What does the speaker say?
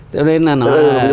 cho nên là nó